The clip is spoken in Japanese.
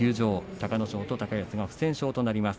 隆の勝と高安の不戦勝となります。